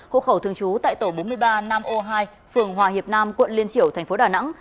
hộ khẩu thường trú tại tổ bốn mươi ba nam o hai phường hòa hiệp nam quận liên triểu tp đà nẵng